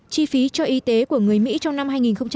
chi phí cho y tế của người mỹ trong năm hai nghìn một mươi bảy